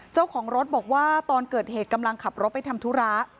เจ้าของรถบอกว่าตอนเกิดเหตุกำลังขับรถไปทำธุระ